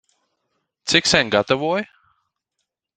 Cik sen gatavoji?